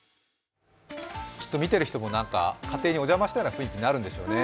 きっと見ている人も家庭にお邪魔したような雰囲気になるんでしょうね。